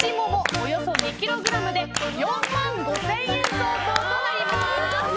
およそ２ｋｇで４万５０００円相当となります。